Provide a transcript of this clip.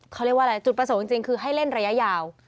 เขาเรียกว่าอะไรจุดประสงค์จริงคือให้เล่นระยะยาว